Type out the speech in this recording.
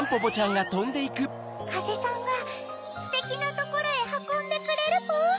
かぜさんがステキなところへはこんでくれるポ。